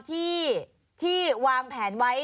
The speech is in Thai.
ที่วางแผนไว้